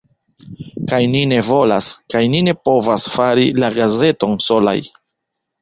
Kaj ni ne volas, kaj ne povas fari la gazeton solaj.